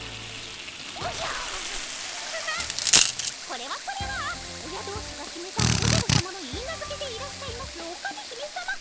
これはこれは親同士が決めたおじゃるさまのいいなずけでいらっしゃいますオカメ姫さま。